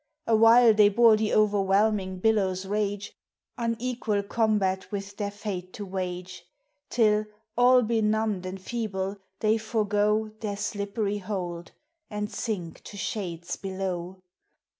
Awhile they bore the o'erwhelming billows' rage, Unequal combat with their fate to wage; Till, all benumbed and feeble, they forego Their slippery hold, and sink to shades below.